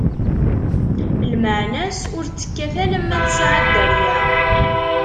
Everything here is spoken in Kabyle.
lmeɛna-s ur tt-kkat alemma tesɛa dderya.